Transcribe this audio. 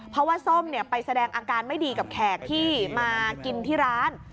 เพราะว่าส้มไปแสดงอาการไม่ดีกับแขกที่มากินที่ร้าน